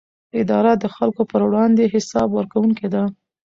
اداره د خلکو پر وړاندې حساب ورکوونکې ده.